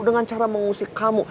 dengan cara mengusik kamu